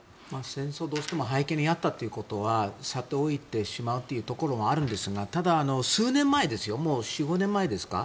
戦争の背景にあったということはさておいてしまうということもあるんですがただ、数年前４５年前ですか